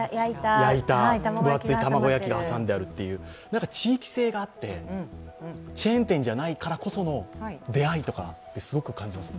焼いた分厚い卵焼きが挟んであるっていう地域性があって、チェーン店じゃないからこその出会いとかってすごく感じますね。